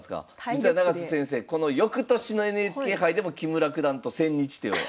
実は永瀬先生この翌年のＮＨＫ杯でも木村九段と千日手を。